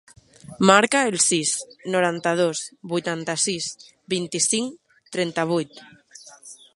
Marca el sis, noranta-dos, vuitanta-sis, vint-i-cinc, trenta-vuit.